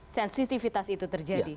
sensitifitas itu terjadi